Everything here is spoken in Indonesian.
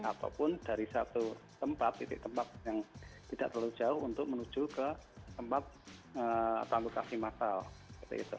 ataupun dari satu tempat titik tempat yang tidak terlalu jauh untuk menuju ke tempat atau lokasi massal seperti itu